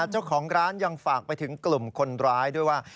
เจ้าของร้านยังฝากไปถึงกลุ่มคนร้ายด้วยว่า